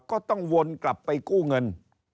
ก็ต้องวนกลับไปกู้เงิน